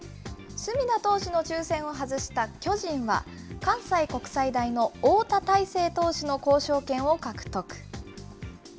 隅田投手の抽せんを外した巨人は、関西国際大の翁田大勢投手の交渉権を獲得。